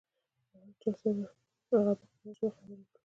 له هر چا سره د هغه په خپله ژبه خبرې وکړئ.